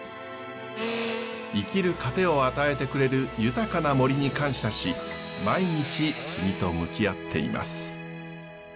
生きる糧を与えてくれる豊かな森に感謝し毎日杉と向き合っています。